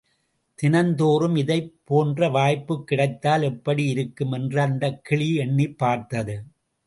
தினந்தோறும் இதைப் போன்ற வாய்ப்புக் கிடைத்தால் எப்படி இருக்கும் என்று அந்தக் கிளி எண்ணிப் பார்த்தது.